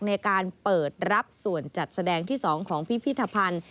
ในการเปิดรับส่วนจัดแสดงที่๒ของพิพิธภัณฑ์